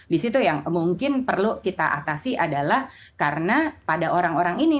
di situ yang mungkin perlu kita atasi adalah karena pada orang orang ini